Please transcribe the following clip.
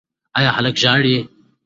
ایا هلک ژاړي؟